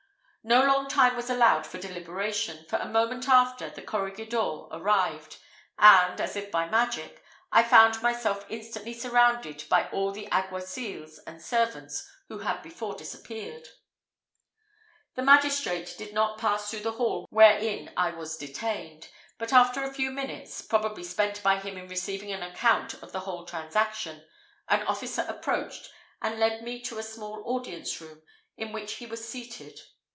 No long time was allowed for deliberation, for a moment after, the corregidor arrived, and, as if by magic, I found myself instantly surrounded by all the alguacils and servants who had before disappeared. The magistrate did not pass through the hall wherein I was detained, but after a few minutes, probably spent by him in receiving an account of the whole transaction, an officer approached, and led me to a small audience room, in which he was seated.